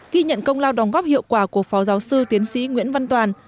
ghi nhận công lao đóng góp hiệu quả của phó giáo sư tiến sĩ nguyễn văn toàn